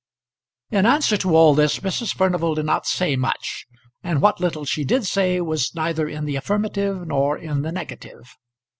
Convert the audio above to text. In answer to all this Mrs. Furnival did not say much, and what little she did say was neither in the affirmative nor in the negative.